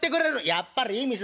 やっぱりいい店だ